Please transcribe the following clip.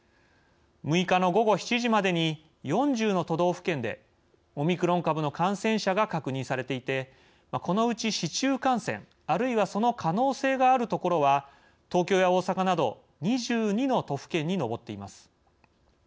６日の午後７時までに４０の都道府県でオミクロン株の感染者が確認されていてこのうち市中感染あるいはその可能性がある所は東京や大阪など２２の都府県に上っています。